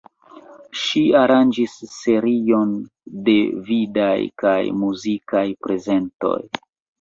Ŝi aranĝis serion de vidaj kaj muzikaj prezentoj.